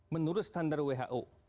menurut standar who